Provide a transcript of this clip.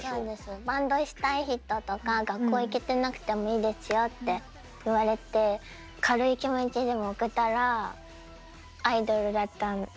「バンドしたい人とか学校行けてなくてもいいですよ」って言われて軽い気持ちでも送ったらアイドルだったんですよ。